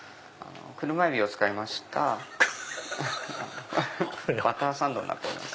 クルマエビを使いましたバターサンドになってます。